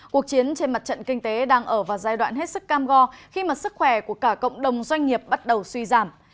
cuộc chiến trên mặt trận kinh tế đang ở vào giai đoạn hết sức cam go khi mà sức khỏe của cả cộng đồng doanh nghiệp bắt đầu suy giảm